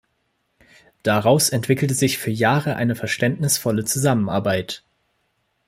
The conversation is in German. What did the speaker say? Daraus entwickelte sich für Jahre eine verständnisvolle Zusammenarbeit.